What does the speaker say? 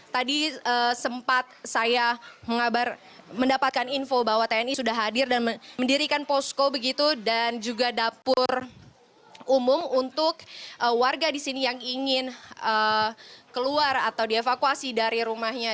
tadi sempat saya mendapatkan info bahwa tni sudah hadir dan mendirikan posko begitu dan juga dapur umum untuk warga di sini yang ingin keluar atau dievakuasi dari rumahnya